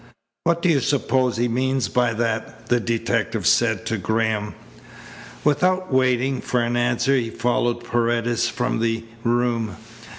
"What do you suppose he means by that?" the detective said to Graham. Without waiting for an answer he followed Paredes from the room.